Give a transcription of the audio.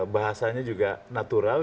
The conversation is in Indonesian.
bahasanya juga natural